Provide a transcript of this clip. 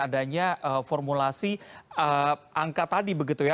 adanya formulasi angka tadi begitu ya